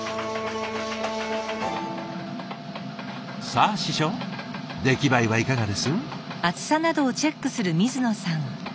さあ師匠出来栄えはいかがです？